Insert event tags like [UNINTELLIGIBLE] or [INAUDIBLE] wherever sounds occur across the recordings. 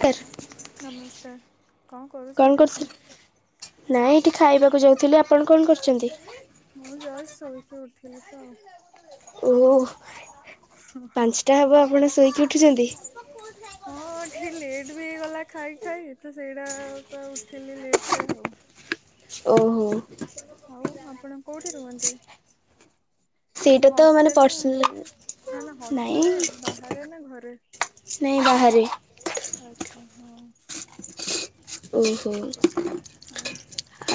Sir ନମସ୍କାର କଣ କରୁଚନ୍ତି ଆପଣ? ନାଇଁ ଏଇଠି ଖାଇବାକୁ ଯାଉଥିଲି ଆପଣ କଣ କରୁଛନ୍ତି? ମୁଁ ଜସ ଶୋଇକି ଉଠଥିଲି ତ ଆଉ। ଓହୋ ବାସ୍। ପାଞ୍ଚଟା ହବ ଆଉ ଆପଣ ଶୋଇକି ଉଠୁଛନ୍ତି? ହଁ ଠିକ ଲେଟ୍ ବି ହେଇଗଲା ଖାଇ ଖାଇ ତ ସେଇଟା ତ ଉଠିଲି ଲେଟରେ ଆଉ। ଓହୋ। ଆଉ ଆପଣ କେଉଁଠି ରୁହନ୍ତି? ସେଇଟା ମାନେ ତ ହଷ୍ଟେଲ ପର୍ସନାଲ ନା ନା ହସ ନାଇଁ ମାନେ ବାହାରେ ନା ଘରେ? ନାଇଁ ବାହାରେ। ଆଚ୍ଛା ହଉ। ଓହୋ। ଆଉ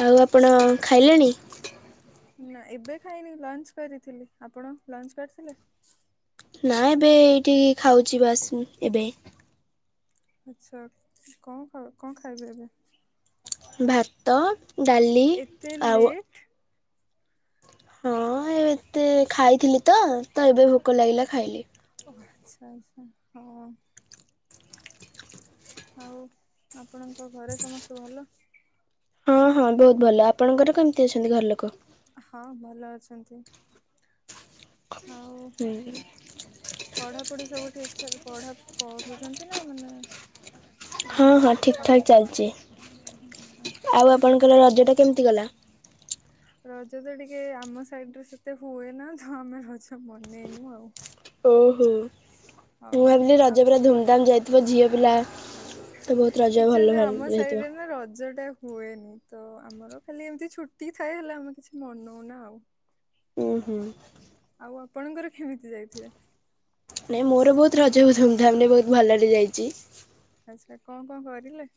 ଆଉ ଆପଣ କଣ? ଖାଇଲେଣି? ନା ଏବେ ଖାଇନି ଲଞ୍ଚ କରିଥିଲି। ଆପଣ ଲଞ୍ଚ କରିଥିଲେ? ନା ଏବେ ଏଇଠି ଖାଉଚି ଉଁ ବାସ୍ ଏବେ। ଆଚ୍ଛା କଣ ଖା କଣ ଖାଇବେ ଏବେ? ଭାତ, ଡାଲି ଏତେ ଆଉ ଲେଟ୍? ହଁ ଆ ଏତେ ଖାଇଥିଲି ତ। ତ ଏବେ ଭୋକ ଲାଗିଲା ଖାଇଲି। ଓହୋ ଆଚ୍ଛା ଆଚ୍ଛା ହଁ। ଆଉ ଆପଣଙ୍କ ଘରେ ସମସ୍ତେ ଭଲ? ହଁ ହଁ ବହୁତ ଭଲ ଆପଣଙ୍କର କେମିତି ଅଛନ୍ତି ଘରଲୋକ? ହଁ ଭଲ ଅଛନ୍ତି। ହୁଁ। ପଢାପଢି ସବୁ ଠିକ ସେ ପଢା ପଢୁଛନ୍ତି ନା ମାନେ ହଁ ହଁ ଜବ୍ ଠିକ୍ କଣ? ଠାକ୍ ଚାଲିଛି। ଆଚ୍ଛା ଆଉ ହୁଁ। ଆପଣଙ୍କର ରଜଟା କେମିତି ଗଲା? ରଜ ତ ଟିକେ ଆମ ସାଇଡରେ ସେତେ ହୁଏ ନା। ତ ଆମେ ରଜ ବନେଇନୁ ଆଉ। ଓହୋ ହଁ ମୁଁ ଭାବିଲି ଆଉ ରଜ ପୁରା ଧୁମଧାମ ଯାଇଥିବ। ଝିଅ ପିଲା ତ ବହୁତ ରଜ ଭଲ ଏକ୍ଚ୍ୟୁଆଲି ଭାଲ ଆମ ହେଇଥିବ। ସାଇଡରେ ନା ରଜ ଟା ହୁଏନି। ତ ଆମର ଖାଲି ଏମିତି ଛୁଟି ଥାଏ ହେଲେ ଆମେ କିଛି ମନଉନା ଆଉ। ଉଁ ହୁଁ। ଆଉ ଆପଣଙ୍କର କେମିତି ଯାଇଥିବେ? ନାଇଁ ମୋର ବହୁତ ରଜ ଧୁମ୍ ଧାମରେ ବହୁତ ଭଲରେ ଯାଇଛି। ଆଚ୍ଛା। କଣ କଣ କରିଲେ?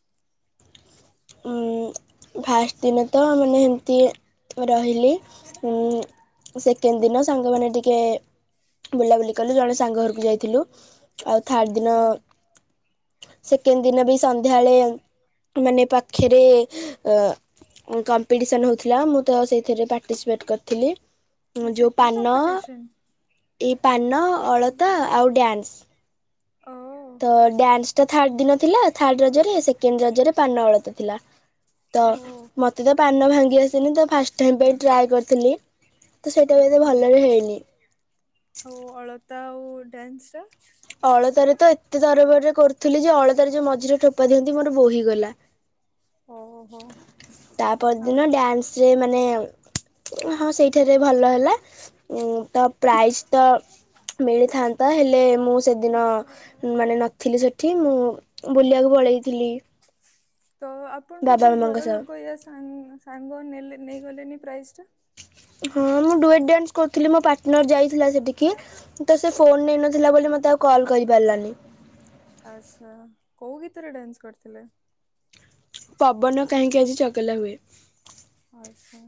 ଫାଷ୍ଟ ଦିନ ତ ମାନେ ଏମିତି ରହିଲି। ସେକେଣ୍ଡ ଦିନ ସାଙ୍ଗମାନେ ଟିକେ ବୁଲାବୁଲି କଲୁ। ଜଣେ ସାଙ୍ଗ ଘରକୁ ଯାଇଥିଲୁ। ଆଉ ଥାର୍ଡ ଦିନ, ଆଚ୍ଛା ସେକେଣ୍ଡ ଦିନ ବି ସନ୍ଧ୍ୟାବେଳେ ମାନେ ପା ଖରେ ଅ କମ୍ପିଟିସନ ହେଉଥିଲା। ମୁଁ ତ ସେଇଥିରେ ପାର୍ଟିସିପେଟ୍ କରିଥିଲି। ଆଚ୍ଛା ଯୋଉ କି ପାନ, କମ୍ପିଟିସନ୍ ଏଇ ପାନ, ଅଳତା ଆଉ ଡ୍ୟାନ୍ସ। ଓଃ। ତ ଡ୍ୟାନ୍ସ ଟା ଥାର୍ଡ ଦିନ ଥିଲା, ଥାର୍ଡ ରଜରେ ସେକେଣ୍ଡ ରଜରେ ପାନ ଅଳତା ଥିଲା। ତ ଓ ମତେ ତ ପାନ ଭାଙ୍ଗି ଆସିନି ତ ଫାଷ୍ଟ ଟାଇ ପାଇଁ ଟ୍ରାଏ କରିଥିଲି। ତ ସେଇଟା ବି ଏତେ ଆଚ୍ଛା। ଭଲରେ ହେଇନି। ଆଉ ଅଳତା ଆଉ ଡ୍ୟାନ୍ସ ଟା? ଅଳତାରେ ତ ଏତେ ତରବରରେ କରୁଥିଲି ଯେ, ଅଳତାରେ ଯୋଉ ମଝିରେ ଟୋପା ଦିଅନ୍ତି ମୋର ବୋହି ଗଲା। ଓହୋ ତା ପର ଆଉ ଦିନ ଡ୍ୟାନ୍ସ ରେ ମାନେ ହଁ ସେଇଠାରେ ଭଲ ହେଲା। ଉ ତ ପ୍ରାଇଜ ତ ମିଳିଥାନ୍ତା ହେଲେ, ମୁଁ ସେଦିନ ମାନେ ନଥିଲି ସେଠି। ମୁଁ ବୁଲିବାକୁ ପଳେଇଥିଲି। ତ ଆପଣଙ୍କ ବାବା କେହି ମାମାଙ୍କ ଘର ସହ ଲୋକ ୟା ସାଙ୍ଗ ସାଙ୍ଗ ନେଲେ ନେଇଗଲେନି ପ୍ରାଇଜଟା। ହଁ ମୁଁ ଡୁଏଟ ଡ୍ୟାନ୍ସ କରୁଥିଲି, ମୋ ପାର୍ଟନର୍ ଯାଇଥିଲା ସେଠିକି। ତ ସେ ଫୋନ ନେଇନଥିଲା ବୋଲି ମତେ ଆଉ କଲ୍ କରି ପାରିଲାନି। ଆଚ୍ଛା, କୋଉ ଗୀତରେ ଡ୍ୟାନ୍ସ କରିଥିଲେ? ପବନ କାହିଁକି ଆଜି ଚଗଲା ହୁଏ। ଆଚ୍ଛା।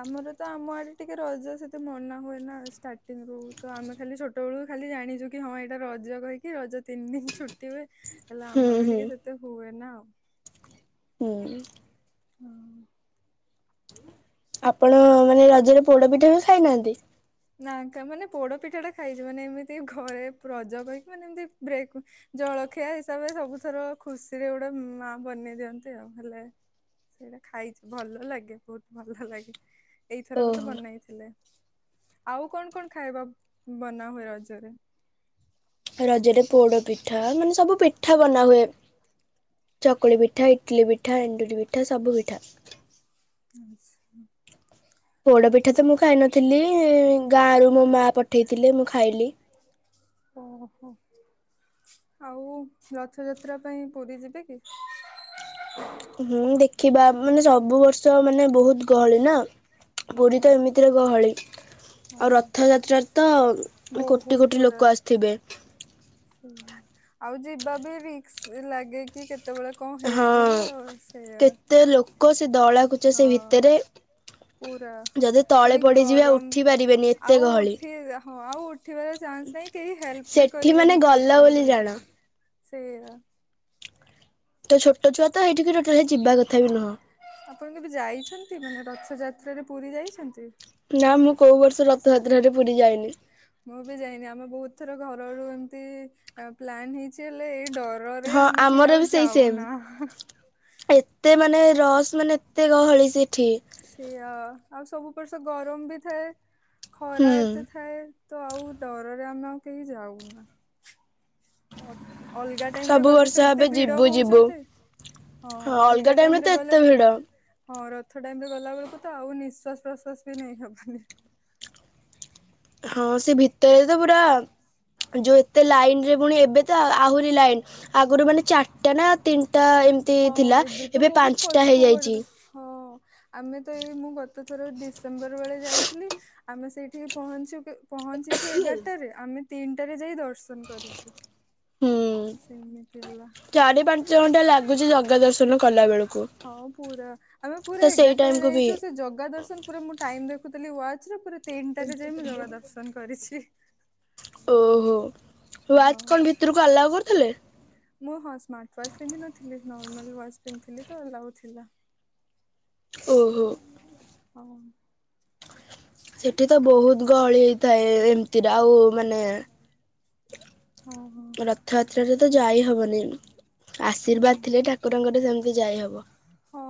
ଆମର ତ ଆମ ଆଡ଼େ ଟିକେ ରଜା ସେତେ ମନା ହୁଏ ନା ଷ୍ଟାର୍ଟିଂ ରୁ। ତ ଆମେ ଖାଲି ଛୋଟବେଳୁକୁ ଖାଲି ଜାଣିଛୁ କି ହଁ ଏଇଟା ରଜ କହିକି ରଜ ତିନି ଦିନ ଛୁଟି ହୁଏ। ହେଲେ ହୁଁ ଆମର ହୁଁ ଟିକେ ସେତେ ହୁଏ ନା ଆଉ। ହୁଁ। ହଁ। ଆପଣ ମାନେ ରଜରେ ପୋଡ଼ ପିଠା ବି ଖାଇନାହାନ୍ତି? ନା କା ମାନେ ପୋଡ଼ ପିଠା ଟା ଖାଇଛି। ମାନେ ଏମିତି ଘରେ ରଜ କହିକି ମାନେ ଏମିତି ବ୍ରେକ ଜଳଖିଆ ହିସାବରେ ସବୁଥର ଖୁସିରେ ଗୋଟେ ମା ବନେଇ ଦିଅନ୍ତି ଆଉ ହେଲେ ସେଇଟା ଖାଇଛି। ଭଲ ଲାଗେ ବହୁତ ଭଲ ଲାଗେ। ଏଇଥର ବି ତ ଓହୋ ବନେଇଥିଲେ। ଆଉ କଣ କଣ ଖାଇବା ବନା ହୁଏ ରଜରେ? ରଜରେ ପୋଡ଼ ପିଠା ମାନେ ସବୁ ପିଠା ବନାହୁଏ। ଚକୁଳି ପିଠା, ଇଟଲି ପିଠା, ଏଣ୍ଡୁରି ପିଠା ସବୁ ପିଠା। ଆଚ୍ଛା। ପୋଡ଼ ପିଠା ତ ମୁଁ ଖାଇନଥିଲି, ଗାଁରୁ ମୋ ମା ପଠେଇଥିଲେ ମୁଁ ଖାଇଲି ଓହୋଃ। ଆଉ ରଥଯାତ୍ରା ପାଇଁ ପୁରୀ ଯିବେ କି? ହୁଁ, ଦେଖିବା ମାନେ ସବୁ ବର୍ଷ ମାନେ ବହୁତ ଗହଳି ନା। ହଁ ପୁରୀ ତ ଏମିତିରେ ଗହଳି। ହଁ ଆଉ ରଥଯାତ୍ରାରେ ତ କୋଟି ବହୁତ କୋଟି ଲୋକ ଆସିଥିବେ। ହଁ ହଁ, ଆଉ ଯିବା ବି ରିକ୍ସ ଲାଗେ କି କେତେବେଳେ କଣ ହେଇଯିବ ସେଇଆ। ତେ ଲୋକ ସେ ଦଳାକୁୁଚା ହଁ ସେ ଭିତରେ। ପୁରା, ଯଦି ତଳେ ପୁଣି ପଡିଯିବେ ଆଉ ଗରମ ଉଠି ପାରିବେନି ଏତେ ଆଉ ଗହଳି ଉଠି ହଁ ଆଉ ଉଠିବାର ଚାନ୍ସ ନାହିଁ କେହି ହେଲ୍ପ ବି ସେଠି ମାନେ କରିବେନି କି ଗଲା ଉଠିବୁ ବୋଲି କହିକି ଜାଣ ସେଇଆ। ତ ଛୋଟ ଛୁଆ ତ ହେଇଠିକି ଟୋଟାଲୀ ଯିବା କଥା ବି ନୁହଁ ଆପଣ କେବେ ଯାଇଛନ୍ତି ମାନେ ରଥଯାତ୍ରାରେ ପୁରୀ ଯାଇଛନ୍ତି? ନା, ମୁଁ କୋଉ ବର୍ଷ ରଥଯାତ୍ରାରେ ପୁରୀ ଯାଇନି। ମୁଁ ବି ଯାଇନି ଆମ ବହୁତ ଥର ଘର ରୁ ଏମତି ପ୍ଲାନ ହେଇଛି ହେଲେ ଏଇ ଡର ଡରରେ ହଁ ଆମେ କେହି ଆମର ଆଉ ବି ସେଇ ସେମ୍ ଯାଉନା। ଏତେ ମାନେ ରସ୍ ମାନେ ଏତେ ଗହଳି ସେ ସେଠି ସେଆ ଆଉ ସବୁ ବର୍ଷ ଗରମ ବି ଥାଏ ଖରା ହୁଁ ଏତେ ଥାଏ। ତ ଆଉ ଡରରେ ଆମେ ଆଉ କେହି ଯାଉନା। ଅଲଗା ଟାଇମ ରେ ସବୁ ଗଲେ ବର୍ଷ ତ ଭାବେ ଏତେ ଭିଡ ଯିବୁ ଯିବୁ ହଉଛନ୍ତି। ହଁ, ଅଲଗା ଟାଇମ୍ ରେ ଟାଇମରେ ଗଲେ ଏତେ ତ ଭିଡ। ହଁ, ରଥ ଟାଇମ ରେ ଗଲାବେଳକୁ ତ ଆଉ ନିଶ୍ଵାସ ପ୍ରଶ୍ୟାସ୍ ବି ନେଇ ହବନି। ହୁଁ। ହଁ, ସେ ଭିତରେ ତ ପୁରା ଯୋଉ ଏ ଲାଇନରେ ପୁଣି ଏବେ ତ ଆହୁରି ଲାଇନ୍ ଆଗରୁ ମାନେ ଚାରିଟା ନା- ତିନିଟା ଏମିତି ହଁ ଥିଲା ତ ଏବେ ବହୁତ ପାଞ୍ଚଟା ପଛକୁ କରିଦ ହେଇଯାଇଛି। ହଁ। ଆମେ ତ ଏଇ ମୁଁ ଗତ ଥର ଡିସେମ୍ବର ବେଳେ ଯାଇଥିଲି ଆମେ ସେଇଠିକି ପହଞ୍ଚୁ ପହଞ୍ଚିଛୁ ଏଗାରଟାରେ ଆମେ ତିନିଟାରେ ଯାଇ ଦର୍ଶନ କରିଛୁ ହୁଁ ସେମିତି ହେଲା [UNINTELLIGIBLE] ଚଉଟା ଲାଗେ ଲୁଛି ଜାଗା ଦର୍ଶନ କଲା ବେଳକୁ। ହଁ ପୁରା ଆମେ ପୁରା ତ ସେଇ ଟାଇମ୍ ଏଗାରଟାରେ କୁ ବି ଯାଇଛୁ ସେ ଜଗା ଦର୍ଶନ ପୁରା ମୁଁ ଟାଇମ ଦେଖୁଥିଲି ୱାଚ୍ ରେ ପୁରା ତିନିଟାରେ ଯାଇ ମୁଁ ଜଗା ଦର୍ଶନ କରିଛି। ଓହୋ ହଁ ୱାଚ୍ କଣ ଭିତରକୁ ଆଲାଓ କରୁଥିଲେ ମୁଁ ହଁ ସ୍ମାର୍ଟ ୱାଚ୍ ପିନ୍ଧିନଥିଲି ନର୍ମାଲ ୱାଚ୍ ପିନ୍ଧଥିଲି ତ ଆଲାଉ ଥିଲା ଓହୋ। ହଁ। ସେଠି ତ ବହୁତ ଗହଳି ହେଇଥାଏ ଏମିତିରେ ଆଉ ମାନେ ହଁ ହଁ ରଥଯାତ୍ରାରେ ତ ଯାଇ ହବନି ହୁଁ। ଆଶୀର୍ବାଦ ଥିଲେ ଠାକୁରଙ୍କର ସେମିତି ଯାଇ ହବ ହଁ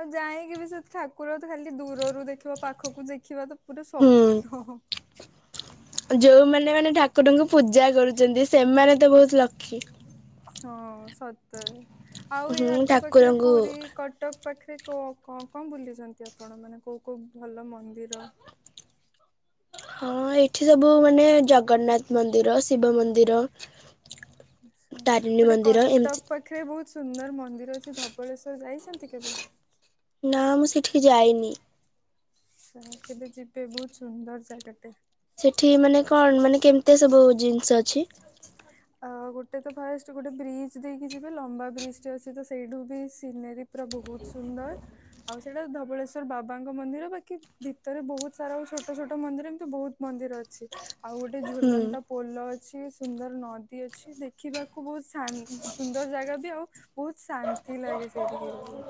ଆଉ ଯାଇକି ବି ସେ ଠାକୁର ତ ଖାଲି ଦୂରରୁ ଦେଖିବ ପାଖକୁ ଦେଖିବା ତ ପୁରା ସ୍ବପ୍ନ ଯେଉଁମାନେ ମାନେ ଠାକୁରଙ୍କୁ ପୂଜା କରୁଛନ୍ତି ସେମାନେ ତ ବହୁତ ଲକି ହଁ ସତରେ ଆଉ ଏଇ ହୁଁ ଆଖପାଖରେ ଠାକୁରଙ୍କୁ ପୁରୀ କଟକ ପାଖରେ କଣ କଣ ବୁଲିଛନ୍ତି ଆପଣ ମାନେ କୋଉ କୋଉ ଭଲ ମନ୍ଦିର? [INAUDIBLE] ହଁ ଏଇଠି ସବୁ ମାନେ ଜଗନ୍ନାଥ ମନ୍ଦିର ଶିବ ମନ୍ଦିର [INAUDIBLE] ଆ ତାରିଣୀ ଗୋଟେ ମନ୍ଦିର କଟକ ଏମିତି ପାଖରେ ବହୁତ ସୁନ୍ଦର ମନ୍ଦିର ଅଛି ଧବଳେଶ୍ଵର ଯାଇଛନ୍ତି କେବେ ନା ମୁଁ ସେଠିକି ଯାଇନି କେବେ ଯିବେ ବହୁତ ସୁନ୍ଦର ଜାଗାଟେ ସେଠି ମାନେ କଣ ମାନେ କେମିତି ସବୁ ଜିନିଷ ଅଛି ଆ ଗୋଟେ ତ ଫାଷ୍ଟ ଗୋଟେ ବ୍ରିଜ୍ ଦେଇକି ଯିବେ ଲମ୍ବା ବ୍ରିଜ ଟେ ଅଛି ତ ସେଇଠୁ ବି ସିନେରୀ ପ୍ରଭୁ ବହୁତ ସୁନ୍ଦର ଆଉ ସେଇଟା ଧବଳେଶ୍ଵର ବାବାଙ୍କ ମନ୍ଦିର ପାଖେ ଭିତରେ ବହୁତ ସାରା ଆଉ ଛୋଟ ଛୋଟ ମନ୍ଦିର ଏମିତି ବହୁତ ମନ୍ଦିର ଅଛି ଆଉ ଗୋଟେ ହୁଁ ଝୁଲନ୍ତା ପୋଲ ଅଛି ସୁନ୍ଦର ନଦୀ ଅଛି ଦେଖିବାକୁ ବହୁତ ଶା ସୁନ୍ଦର ଜାଗା ବି ଆଉ ବହୁତ ଶାନ୍ତି ଲାଗେ ସେଠିକି ଗଲେ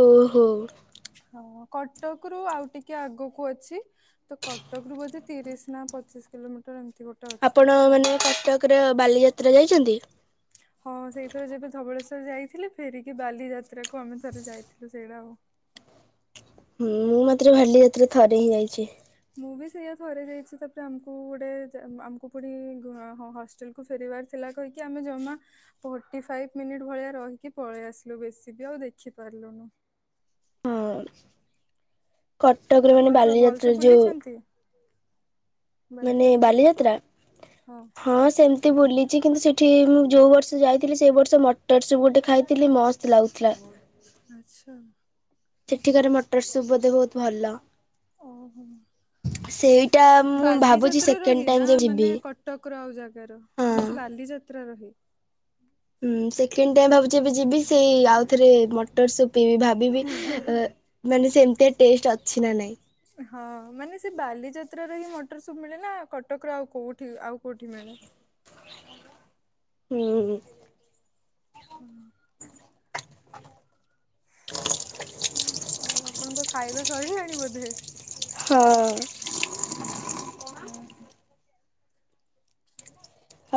ଓହୋ। ହଁ କଟକ ରୁ ଆଉ ଟିକେ ଆଗକୁ ଅଛି ତ କଟକ ରୁ ବୋଧେ ତିରିଶ ନା ପଚିଶ କିଲୋମିଟର ଏମିତି ଗୋଟେ ଅଛି ବୋଧେ ଆଉ ପୁରା ବାଲିଯାତ୍ରା ଯାଇଛନ୍ତି? ହଁ ସେଇଥିରେ ଯେବେ ଧବଳେଶ୍ଵର ଯାଇଥିଲେ ଫେରିକି ବାଲିଯାତ୍ରାକୁ ଆମେ ଥରେ ଯାଇଥିଲୁ ସେଇଟା ଆଉ। ମୁଁ ମାତ୍ର ଭାଲି ଯାତ୍ରା ଥରେ ହିଁ ଯାଇଚି। ମୁଁ ବି ସେଇଆ ଥରେ ଯାଇଚି ତାପରେ ଆମକୁ ଗୋଟେ ଆମକୁ ପୁଣି ହଷ୍ଟେଲ କୁ ଫେରିବାର ଥିଲା କହିକି ଆମେ ଜମା ଫୋର୍ଟି ଫାଇଭ୍ ମିନିଟ ଭଳିଆ ରହିକି ପଳେଇ ଆସିଲୁ। ବେଶୀ ବି ଆଉ ଦେଖି ପାରିଲୁନୁ। ହଁ କଟକରେ ମାନେ ଆପଣ ପୁରା ଭଲସେ ବାଲିଯାତ୍ରା ଯୋଉ ବୁଲିଛନ୍ତି ମାନେ ବାଲିଯାତ୍ରା? ହଁ ସେମିତି ବୁଲିଚି। କିନ୍ତୁ ସେଠି ମୁଁ ଯୋଉ ବର୍ଷ ଯାଇଥିଲି ସେଇ ବର୍ଷ ମଟର ସୁପ୍ ଗୋଟେ ଖାଇଥିଲି ମସ୍ତ ତ ଲାଗୁଥିଲା। ଆଚ୍ଛା। ସେଠିକାର ମଟର ସୁପ ବୋଧେ ବହୁତ୍ ଭଲ। ଓହୋ। ସେଇଟା ମୁଁ ଭାବୁଚି ବାଲିଯାତ୍ରାର ସେକେଣ୍ଡ ହି ନା ଟାଇମ୍ ଯୋଉ ମାନେ ଯିବି। କଟକର ଆଉ ଜାଗାର ହଁ। ମାନେ ସେ ବାଲିଯାତ୍ରାରେ ରହେ। ହୁଁ ସେକେଣ୍ଡ ଟାଇମ୍ ଭାବୁଚି ଏବେ ଯିବି ସେଇ ଆଉ ଥରେ ମଟର ସୁପ୍ ପିଇବିି ଭାବ୍ ବି ବି ମାନେ ସେ ଏମିତିଆ ଟେଷ୍ଟ ଅଛି ନା ନାହିଁ। ହଁ ମାନେ ସେ ବାଲିଯାତ୍ର ର ହିଁ ମଟର ସୁପ୍ ମିଳେ ନା କଟକ ର ଆଉ କୋଉଠି ଆଉ କୋଉଠି ମିଳେ? ହୁଁ। ହୁଁ। ଆଉ ଆପଣଙ୍କ ଖାଇବା ସଇଲାଣି ବୋଧେ ହଁ। ହୁଁ।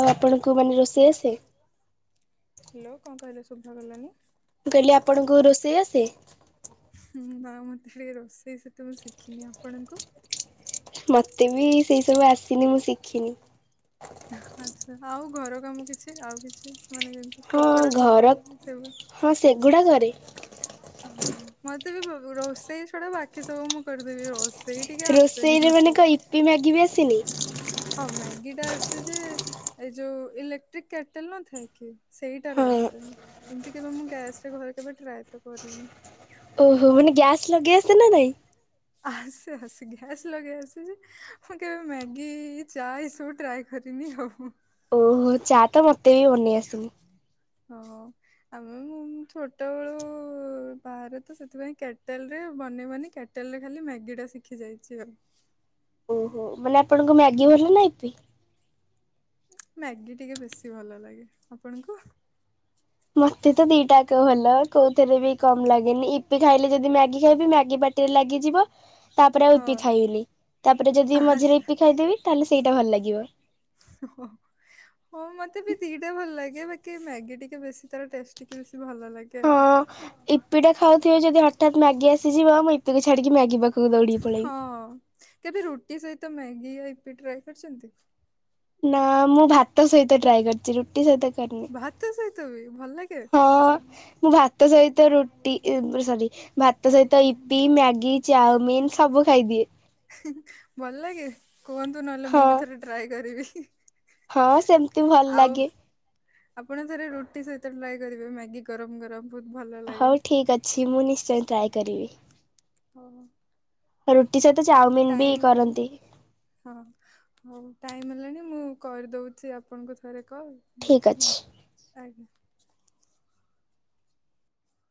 ଆଉ ଆପଣଙ୍କୁ ମାନେ ରୋଷେଇ ଆସେ? ହ୍ୟାଲୋ କଣ କହିଲେ ଶୁଭା ଗଲାନି? ମୁଁ କହିଲି ଆପଣଙ୍କୁ ରୋଷେଇ ଆସେ? ନା ମତେ ଟିକେ ରୋଷେଇ ସେତେ ମୁଁ ଶିଖିନି। ଆପଣଙ୍କୁ? ମତେ ବି ସେଇ ସବୁ ଆସିନି ମୁଁ ଶିଖିନି। ଆଚ୍ଛା ଆଉ ଘର କାମ କିଛି ଆଉ କିଛି ମାନେ ଯେମତି କପଡ଼ା ସଫା ସେବୁ ଗୁଡ଼ାକରେ ହୁଁ ମତେ ବି ରୋଷେଇ ଛଡା ବାକି ସବୁ ମୁଁ କରିଦେବି ରୋଷ୍ ସେଇ ଟିକେ ଆସେନି ମତେ। ଇ ମ୍ୟାଗି ବି ଆସିନି? ହଁ ମ୍ୟାଗିଟା ଆସେ ଯେ ଯୋଉ ଇଲେକ୍ଟ୍ରିକ୍ କେଟେଲ ନଥାଏ କି ସେଇଟାରେ ହଁ ଆସେ। ଏମତି କେବେ ମୁଁ ଗ୍ୟାସ ରେ ଘରେ କେବେ ଟ୍ରାଏ ତ କରିନି। ଓହୋ ମାନେ ଗ୍ୟାସ୍ ଲଗେଇ ଆସେ ନା ନାଇଁ? ଆସେ ଆସେ ଗ୍ୟାସ୍ ଲଗେଇ ଆସେ ଯେ ମୁଁ କେବେ ମ୍ୟାଗି ଚା ଏସବୁ ଟ୍ରାଏ କରିନି ଆଉ। ଓହୋ ଚା ତ ମତ୍ ହଁ। ଆମେ ଛୋଟ ବେଳୁ ବାହାରେ ତ ସେଥିପାଇଁ କେଟେଲ ରେ ବନେଇ ବନେଇ ଟୋଟାଲରେ ଖାଲି ମ୍ୟାଗିଟା ଶିଖି ଯାଇଚି ଆଉ। ଓହୋ ମାନେ ଆପଣଙ୍କୁ ମ୍ୟାଗି ହଁ ଭଲ ନା ଇପି? ମ୍ୟାଗି ଟିକେ ବେଶୀ ଭଲ ଲାଗେ। ଆପଣଙ୍କୁ? ମତେ ତ ଦିଟା ଆକ ଭଲ କୋଉଥେରେ ବି କମ ଲାଗେନି। ଇପି ଖାଇଲେ ଯଦି ମ୍ୟାଗି ଖାଇବି ମ୍ୟାଗି ପାଟ୍ ପାଟି ରେ ଲାଗିଯିବ। ତାପରେ ଆଉ ହଁ ଇପି ଖାଇବିନି। ତାପରେ ଯଦି ମଝିରେ ଆଚ୍ଛା। ଇପି ଖାଇଦେବି ତାହେଲେ ସେଇଟା ଭଲ ଲାଗିବ। ଉ ଓହୋ। ହଁ ମତେ ବି ଦିଟା ଭଲ ଲାଗେ। ବାକି ମ୍ୟାଗି ଟିକେ ବେଶୀ ତାର ଟେଷ୍ଟି ଟିକେ ବେଶୀ ଭଲ ଲାଗେ। ହଁ ଆଉ। ଇପିଟା ଖାଉଥିବି ଯଦି ହଠାତ୍ ମ୍ୟାଗି ଆସିଯିବ ମୁଁ ଇପିକୁ ଛାଡିକି ମ୍ୟାଗି ପାଖକୁ ଦୌଡିକି ହଁ ପଳେଇବି। କେବେ ରୁଟି ସହିତ ମ୍ୟାଗିି ୟା ୟପି ଟ୍ରାଏ କରିଛନ୍ତି? ନା ମୁଁ ଭାତ ସହିତ ଟ୍ରାଏ କରିଛି, ରୁଟି ସହିତ କରିନି, ଭାତ ସହିତ ବି ଭଲ ଲାଗେ ହଁ ମୁଁ ଭାତ ତା ସହିତ ରୁଟି [UNINTELLIGIBLE] ସରି। ଭାତ ସହିତ ଇିପି, ମ୍ୟାଗି, ଚାଉମିିନ ସବୁ ଖାଇଦିଏ। ଭଲ ଲାଗେ କୁହନ୍ତୁ ନହେଲେ ହଁ ମୁଁ ବି ଥରେ ଟ୍ରାଏ କରିବି? ହଁ ସେମତି ଭଲ ଆଉ ଲାଗେ। ଆପଣ ଥରେ ରୁଟି ସହିତ ଟ୍ରାଏ କରିବେ ମ୍ୟାଗି ଗରମ ଗରମ। ବହୁତ ଭଲ ଲାଗେ। ହଉ ଠିକ୍ ଅଛି ମୁଁ ନିଶ୍ଚୟ ଟ୍ରାଏ କରିବି। ହଉ। ରୁଟି ସହିତ ହଉ ଚାଉମିିନ ବି ଟାଇମ୍ କରନ୍ତି। ହଁ ହଉ ଟାଇମ ହେଲାଣି ମୁଁ କରିଦଉଛି ଆପଣଙ୍କୁ ଥରେ କଲ୍। ହୁଁ ଠିକ ହୁଁ ଅଛି। ଆଜ୍ଞା।